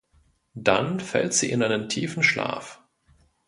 Dann fällt sie in einen tiefen Schlaf.